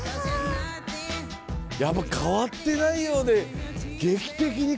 やっぱ変わってないようで劇的に変わってる。